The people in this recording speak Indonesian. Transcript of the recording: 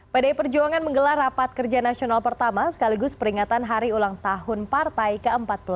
pdi perjuangan menggelar rapat kerja nasional pertama sekaligus peringatan hari ulang tahun partai ke empat puluh lima